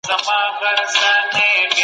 مالیات د دولت د عاید لویه سرچینه ده.